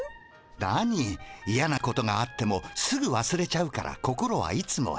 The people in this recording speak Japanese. なにイヤなことがあってもすぐわすれちゃうから心はいつも平和。